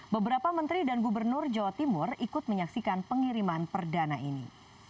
beberapa menteri dan gubernur jawa timur ikut menyaksikan pengiriman perdana ini